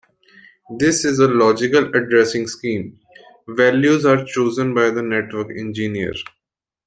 This is a logical addressing scheme; values are chosen by the network engineer.